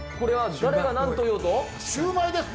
誰がなんと言おうとシューマイですね。